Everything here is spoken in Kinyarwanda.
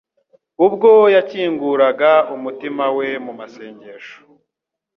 ubwo yakinguraga umutima we mu masengesho